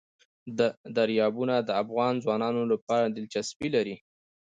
دریابونه د افغان ځوانانو لپاره دلچسپي لري.